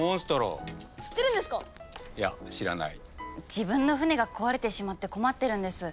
自分の船が壊れてしまって困ってるんです。